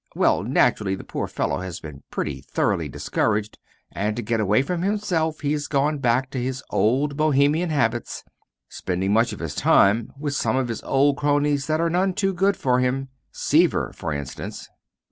Well, naturally, the poor fellow has been pretty thoroughly discouraged, and to get away from himself he's gone back to his old Bohemian habits, spending much of his time with some of his old cronies that are none too good for him Seaver, for instance."